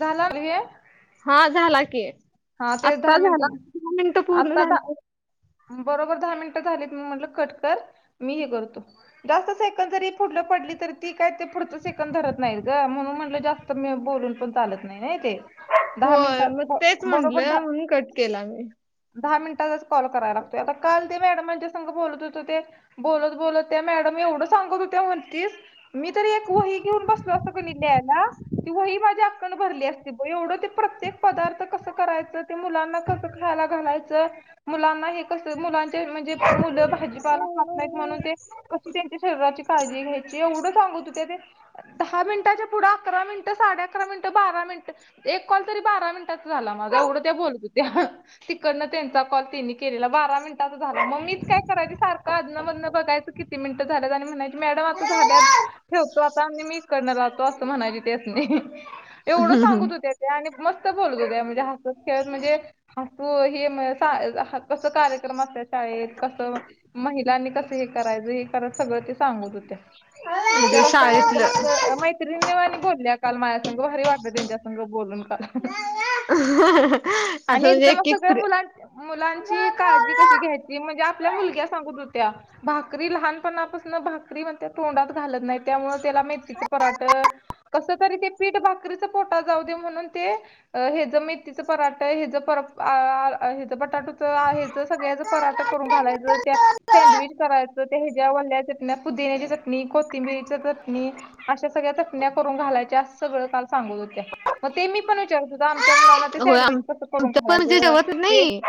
झाला उम हे हा झाला की हा ते दहा आत्ता झाला मिनिटं मिनट पूर्ण आता झाले दहा बरोबर दहा मिनिटं झालेत मी म्हटलं कटकर मी हे करतो जास्त सेकंद जरी पुढलं पडली तरी ती काय ते पुढचं सेकंद धरत नाहीत ग म्हणून म्हणलं जास्त मी बोलून पण चालत नाही नाही ते दहा मिनिटं बो म्हणलं म्हणून कट केला मी दहा मिनिटाचाच कॉल कराय लागतोय आता काल ते मॅडम माझ्या संग बोलत होतो ते बोलत बोलत त्या मॅडम एवढं सांगत होत्या म्हणतीच मी तरी एक वही घेऊन बसलो होतो कणी लिहायला ती वही माझी अक्कन भरली असती ब एवढं ते प्रत्येक पदार्थ कसं करायच ते मुलांना कसं खायला घालायचं मुलांना हे कस मुलांचे म्हणजे मुलं भाजीपाला खात नाहीत म्हणून ते कशी त्यांच्या शरीराची काळजी घ्यायची एवढं सांगत हो त्या ते दहा मिनिटाच्या पुढं अकरा मिनटं साडे अकरा मिनटं बारा मिनटं एक कॉल तरी बारा मिनिटाचा झाला माझा. एवढं त्या बोलत होत्या तिकडनं त्यांचा कॉल त्यांनी केलेला बारा मिन टाचा झाला मग मीच काय करायचे सारखं अधनं मधनं बघायचं की ती मिनिटं झाल्यात आणि म्हणायचं मॅडम आता झाल्यात ठेवतो आता आणि मी करणं लावतो अस म्हणायच्या त्यासनी एवढं हम्म हम्म. सांगत होत्या त्या आणि मस्त बोलत होत्या म्हणजे हास खेळत म्हणजे हासू हे म सा आ कस कार्यक्रम असत्यात शाळेत कसं महिलांनी कसं हे करायचं हे करत सगळं ते सांगत होत्या. म्हणजे टिचर असतानी एकदम शाळेतलं अस माहित त्रिणी वानी बोलल्या काल माया संग भारी वाटलं त्यांच्या संग बोलून काल. [inaudible] आणि एकदमच एक एक सगळ्या फ्री मुलां मुलांची काळजी कशी घ्यायची म्हणजे आपल्या मुलग्या सांगत होत्या भाकरी लहानपणापासन भाकरी म्हणत्या तोंडात घालत नाही. त्यामुळं त्याला मेथीचं पराठ कसं तरी ते पीठ भाकरीच पोटात जाऊदे म्हणून ते अ हे ज मे तिचं पराठ हेज परा आ आ आ बटाटुच आ हेच सगळ्याचं पराठ करून घालायचं त्या सँडविच करायचं त्या हेज्या वल्ल्या चटण्या पुदिन्याची चट णी कोथिंबीरीच चटणी अश्या सगळ्या चटण्या करून घालायच्या अस सगळं काल सांगत होत्या मग ते मी पण विचारत होत आमच्या मुलांना ते होय आम सँडविच कसं करून आमच्यात पण म्हणजे घालायचं जेवत ते नाही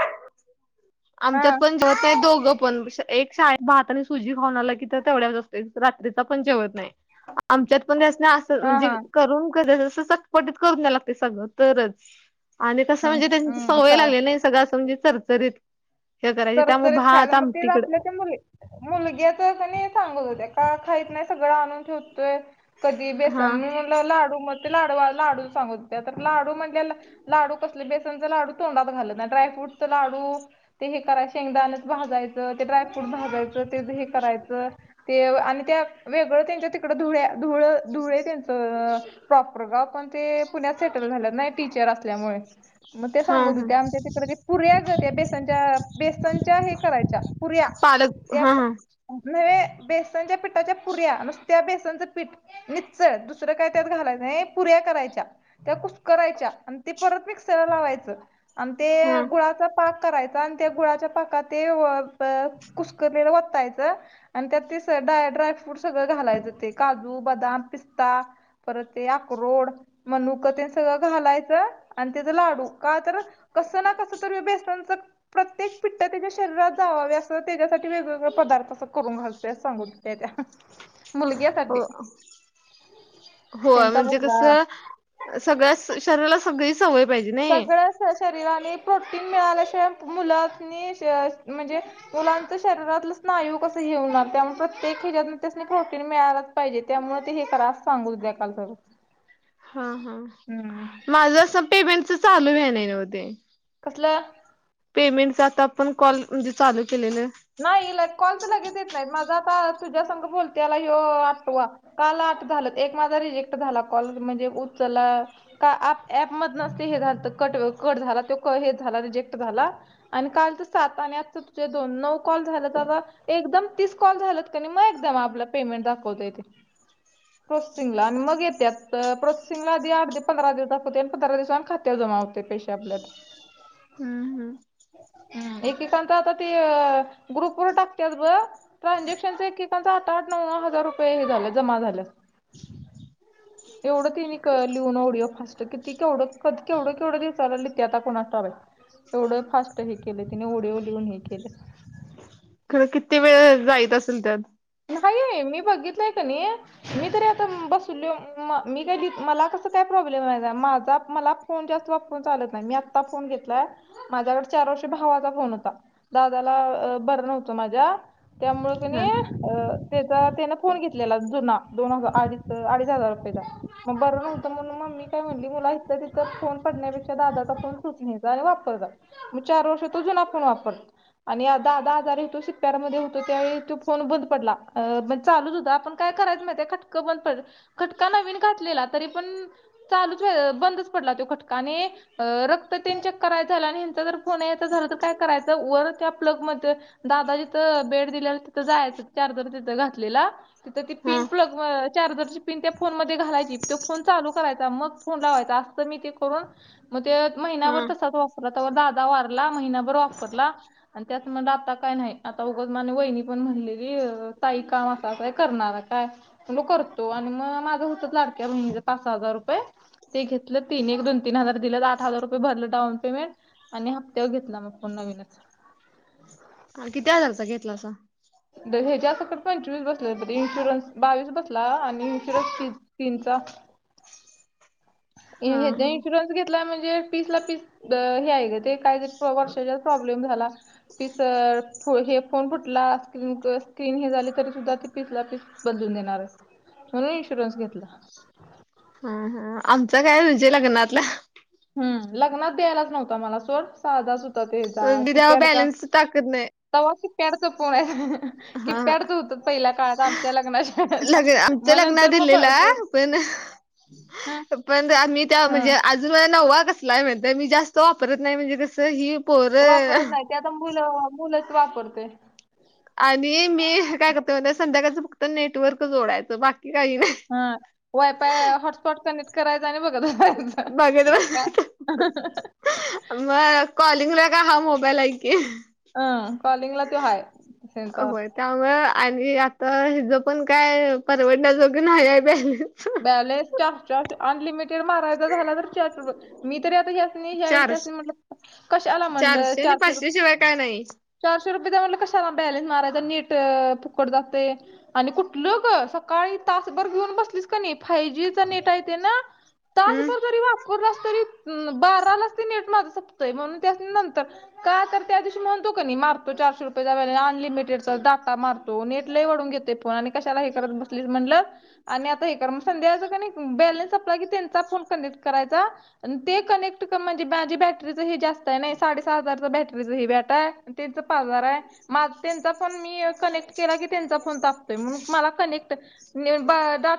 हा आमच्यात पण जेवत नाही दोघं पण स एक शाळेत भात आणि सुजी खाऊन आला की, तर तेवढ्या वरच असतंय रात्रीचा पण जेवत नाही. आमच्यात पण त्यासनी असं तर हा म्हणजे हा करून कसं जसं चटपटीत करून द्या लागतंय सगळं तरच आणि कसं हम्म म्हणजे त्यांची हम्म सवय चा लागलीये ना हे सगळं असं म्हणजे चरचरीत हे करायची त्यामुळे चरचरीत खायज भात मग तेच आमटीकड आपल्या त्या मुली मुलग्याच कणी सांगत होत्या का खाइत नाही सगळं आणून ठेवतोय कधी हा बेसन मी म्हणलं लाडू मग ते लाडू वा लाडूच सांगत होत्या तर लाडू म्हणल्या ल लाडू कसलं बेसनच लाडू तोंडात घालतं नाही ड्रायफ्रूटच लाडू ते हे कराय शेंगदानच भाजायचं ते ड्रायफ्रूट भाजायचं तेद हे करायचं ते आणि त्या वेगळं त्यांच्या तिकडं धुळ्या धुळ धुळे त्यांचं अ प्रॉपर गाव पण ते पुण्यात सेटल झाल्यात ना टीचर असल्यामुळे मग ते हा सांगत हा होते आमच्या तिकडे पुरीग त्या बेसनच्या बेसनच्या हे करायच्या पुऱ्या पालक त्या हा हा न बेसनच्या पिठाच्या पुर्या न त्या बेसनचं पीठ. निित्चळ दुसरं काय त्यात घालायचंय पुऱ्या करायच्या त्याुस करायच्या ते परत मिक्सर लावायच आणि ते हा गुळाचा पाक करायचा. त्या गुळाच्या पाकात ते कुसक वतायचं. आणि त्यात ते डा ड्राय फ्रूट सगळं घालायचं ते काजू बदाम पिस्ता. पर ते या करोड मनुकते सगळं घालायचं आणि त्याचा लाडू का तर कस ना कस त बेसनच. प्रत्येक पिठठ त्याच्या शरीरात जावावे असं तर त्याच्यासाठी वेगवेगळे पदार्थ अस करून घालतो सांग त्या. मुलग्या हो हो त्यांचा म्हणजे मुलगा कस? सगळ्या शरीराला सगळी सवय पाहिजे नाही. सगळ्या शरीराने प्रोटीन मिळाल्याशिवाय मुलांनी म्हणजे. मुलांच शरीरातलं स्नायू कस घेऊन त्यामुळे प्रत्येक खिजत खोटीन मिळाला. पाहिजे त्यामुळ ते हे क्रास सांगू द्या काल तर. हा हा माझ असं पेमेंटच चालू आहे्या नाही नव्हते. कसलं. पेमेंट आता आपण कॉल म्हणजे चालू केलेलं. नाही कॉलच लगेच येत नाही माझा आता तुझ्या समगं बोलते याला ह आठवा. काल आठ झालं एक माझा रिजेक्ट झाला कॉल म्हणजे उचला. का आप ऍप मध नसते हे झा कट कट झाला त हे झाला रिजेक्ट झाला. आणि काल तू सात आणि आज तुझे दोन नऊ. कॉल झा आता एकदम तीस कॉल झाल क मग एकदम आपला पेमेंट दाखवतो येथे. प्रोसेसिंग ला आणि मग येत्या प्रोसेसिंगला आधी आठ पंधरा दिवसात होते आणि पंधरा दिवस खात जमा होते पैश आपल्यात. हम्म हम्म एकेकात आता ते ग्रुप वर टाकते बघ. ट्रानझॅक्शनचा एककां आठ आठ नऊ हजार रुपये हे झालं जमा झालं एवढं ति लिहून आवढिओ फास्ट कि त केवढ कध केवढं केवढं दिचारलािे आता कोणा ठवा एवढ फास्ट हे केले तिने ओढ ओलिवून हे केले ख किती वेळ जायत असेल त्यात काय आहे मी बघितलंय का नाही मी तरी आता बसूनल म मी काही मला कस काय प्रॉब्लेम आहे माझा मला फोन जास्त वापर चालत नाही मी आत्ता फोन घेतलाय माझ्याकडे चार वर्ष भावाचा फोन होता दादाला बरं नव्हतं माझ्या त्यामुळकणी हा त्याचा त्याने फोन घेतलेला जुना दोन हज अडी अडीच हजार रुपयेचा मग बरं नव्हतं म्हणून मम्मी काय म्हणली मुला इथं तिथ फोन पडण्यापेक्षा दादाचा फोन सुचण्याचा आणि वापरचा मग चार वर्ष तुझून ना आपण वापर आणि आा आधा आजार होेतो शेतकऱ्यांमध्ये होतो त्यावेळी तो फोन ब ड चालू सुद्धा आपण काय करायच माहि खटकं ब पड खटका नवीन घातलेला तरी पण चालूच बंदच पडला तो खटकाने रक्त त्यांच्याक करायचं झालं आणि हचा जर फोन याचं झालं तर काय करायचं वर त्या प्लग मध्ये दादा जिथं बेड दिलेला तिथं जायचं चार्जर तिथं घातलेला तिथं ती हा पिन प्लग चार्जरची पिन त्या फोन मध्ये घालायची तो फोन चालू करायचा मग जास्त मी ते करून मग ते महिनाभर हा तसाच वापरला त्यावर दादा वारला महिनाभर वापरला आणि त्यात म्हण आता काय नाही आता उग माने वहिनी पण म्हणली क ताही काम असं असं करणार काय करतो आणि मग माझं होतं लाडक्या ब पाच हजार रुपये ते घेतलं तीन एक दोन तीन हजार दिलं आठ हजार रुपे भरलं डाऊन पेमेंट आणि हप्त्यावर घेतला मग फण नवीनच किती हजारचा घेतला असा ह्याच्या सकडे पंचवीस बसले इन्शुरन्स बावीस बसला आणि इन्शुरन्स फीज तीनचा हा ह्याचा हा इन्शुरन्स घेतला म्हणजे पीस ला पीस हे आहे का ते काहीतरी वर्षाच्यात प्रॉब्लेम झाला तिसर हे फोन फुटला मग तीन हे झाले तरी सुद्धा पिसला पीस बदलून देणार आहे म्हणून इन्शुरन्स घेतला हा आमचा काय म्हणजे लग्नातला हम् लग्नात द्यायलाच नव्हता मला सोर साधाच होता तेचा मी त्यावर किप्याडचा बॅलन्स टाकत नाही. सहावा किटकॅट चा फोन आहे हा हा कि्प्याडत होत पहिल्या काळात आमच्या लग्नाच्याला लग्न आमच्या मग लग्नात नंतर मग प दिलेला ते पण ह पण मी त्या ह म्हणजे अज मला नववा कसला आहे म्हणत मी जास्त वापरत नाही म्हणजे कसं ही पोरं वापरत नाही ते आता मुलं मुलंच वापरतोय आणि मी काय करते म्हण संध्याकाळचं फक्त नेटवर्क जोडायचं बाकी काही नाही हा वयफय हॉटस्पॉट कनेक्ट कराय [inaudible] बघत बस मग कॉलिंगला का हा मोबाईल आहे की अं कॉलिंगला ते हाय तर- त्यामु आणि आता हि ज पण काय परवडण्यासारखा नाहील्या आहे - बॅलन्स टाक चार अनलिमिटेड मारायचा झाला तर वीचार मी तरी आता या्या नाही या्यावेळी चारशे त्यानी म्हणलं कशाला म्हणलं आणि चारशे पाचशे रुपये शिवाय काय नाही. चारशे रुपये द्या म्हटलं कशाला बॅलेन्स मारायचा नेट फुकट जाते. आणि कुठलं ग सकाळी तासभर घेऊन बसलीच फाय जी नेट आहे ते ना हम्म तासभर जरी वापराल तरी- तरी बारालाच ते नेट माझ सपतंय म्हणून त्यासणी नंतर का तर त्या दिवशी म्हणतो का नाही मारतो चारशे रुपये जा्या अनलिमिटेडचा डाटा मारतो नेट लय वढून घेते फोन आणि कशाला हे करत बसली म्हटल आणि हे कर मग संध्याकाळचं त्यांनी बॅलन्स संपला की त्यांचा फोन कनेक्ट करायचा ते कनेक्ट म्हणजे माझी बॅटरीच हे जास्त आहे नाही साडेसहा हजार बॅटरीच बॅट आहे. त्यांचा पार्लर आहे. माझा त्यांचा पण मी कनेक्ट कनेक्ट केले की त्यांचा फोन तापतोय मला कनेक्ट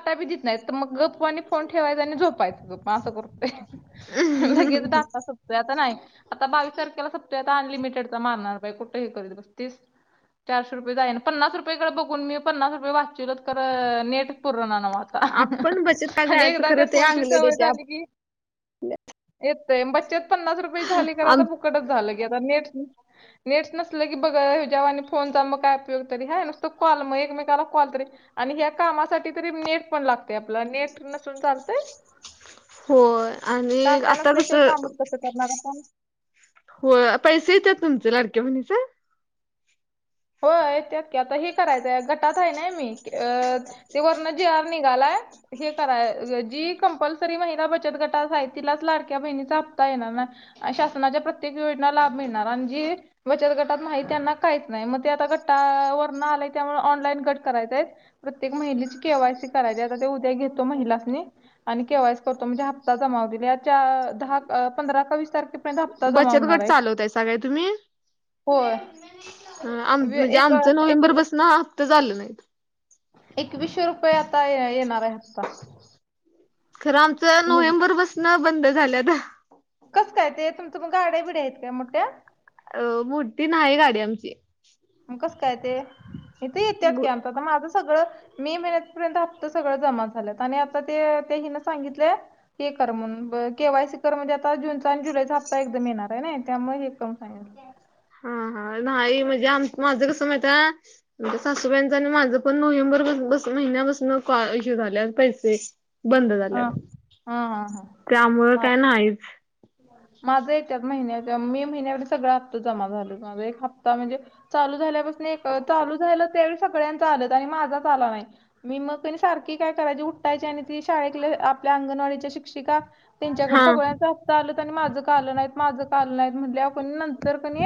काय बी देत नाही, तर मग गप्प वणी फोन ठेवायचा आणि झोपायच मग असं करतो. लगेच डाटा संप नाही तर नाय, आता बावीस तारखेला संपतोय अनलिमिटेड चा मारणार बाई कुठे ही करीत बसतीस. चारशे रुपये जाई पन्नास रुपयाेडे बघून मी पन्नास रुपये वाचीलो तर नेट पुर नावा आपण बचत का आणि जायचं एकदा त्या खरं ते फोनची अंगलट सवय येते झाली आप की येतय बच्चत पन्नास रुपये झाली का आता फुकटच झालं की आता नेट नेट नसलं की बघा ह्याच्या वाणी आणि फोनचा मग काय उपयोग तरी हय नसतो कॉल मग एकमेकाला कॉल तरी आणि ह्या कामासाठी तरी नेट पण लागते आपला नेट नसून चालतय- होय, आणि आता जसं कामच कसं करणार आपण? होय, पैसे येतात तुमचे लडक्या बहिणीच्? होय येत्यात की, आता हे करायचंय गटात आहे नाही मी अ- ते वरण जी आर निघालाय हे कराय जी कंपल्सरी महिला बचत गटास आहे. तिलाच लाडक्या बहिणीचा हप्ता येणार. शासनाच्या प्रत्येक योजना लाभ मिळणार आणि जे बचत गटात माहि त्यांना काहीच नाही मग ते आता घट्टा वरण आलाय त्यामुळे ऑनलाईन घट करायचंय प्रत्येक महिलेची केवायसी करायली आता ते उद्या घेतो महिलासनी आणि केव्हायस करतो म्हणजे हप्ता जमा होईल या चार, दहा, पंधरा का वीस तारखे हप्ता जमा बचत होणार गट आहे. चालवतायसा काय तुम्ही? होय- आम वे- म्हणे एक आमचं एक नोव्हेंबर पासनं हप्ते चालू आहे.. एकवीसशे रुपये आता येणार आहे हप्ता. खरं आमचं नोव्हेंबर पासून बंद झालंत. कस काय ते तुमच्या गाड्याबिड्या आहेत काय मोठ्या? अ मोठी नाही गाडी आमची. मग कस काय ते इत येत्यात की आता माझं सगळं- मे महिन्या पर्यंत हप्त सगळं जमा झालं आणि आता ते ते हिन सांगितले, ते कर म्हणून बर केवाय सी- खर म्हणजे आता जूनचा आणि जुलै चा हप्ता एकदम येणार आहे नाही त्यामुळे हे करम- हा हा नाही म्हणजे आम माझं कसं माहित आहे त सासूबाईचं आणि माझं पण नोव्हेंबर महिन्यापासून इशू झाले पैसे- बंद झाल्यात, हा हा हा त्यामुळे हा. काय नाही. माझं येतत महिन्याच्या मे महिन्यामध्ये सगळा हप्त जमा झाला माझा एक हप्ता म्हणजे चालू झाल्यापासून एक चालू झालं त्यावेळी सगळ्यांच आलंत आणि माझाच आला नाही. मी मग सारखी काय करायची उठायची आणि ती शाळेत आपल्या अंगणवाडीच्या शिक्षिका, त्यांच्याकडे हा सगळ्यांचा हफ्ता आलं आणि माझं का आल नाहीत माझं का आल नाहीत म्हटल्या कणी नंतर कणी,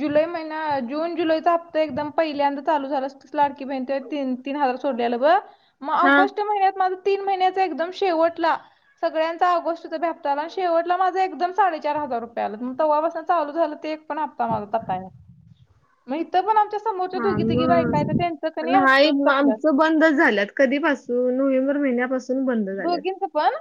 जुलै महिना जून जुलैचा हप्ता एकदम पहिल्यांदा चालू झाला लाडकी बहिण ते तीन तीन हजार सोडल्यालं बघ मग हा ऑगस्ट महिन्यात माझा तीन महिन्याचा एकदम शेवटला सगळ्यांचा ऑगस्टचा बी हप्ता आला. शेवटला माझं एकदम साडेचार हजार रुपय आल मग तेव्हापासून चाल झालं ते एक पण हफ्ता तटला नाय. मग इथं पण आमच्या समोरच्या हा दोघी तिघी बायका आहेत तर मग त्यांचं कणी नाही हप्तच तटल्यात. आमचं बंदच झाल्यात. कधीपासून नोव्हेंबर महिन्यापासून बंद झाल्यात दोघीच पण